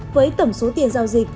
với tổng số tiền giao dịch